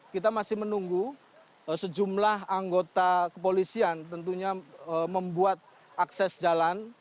kita masih menunggu sejumlah anggota kepolisian tentunya membuat akses jalan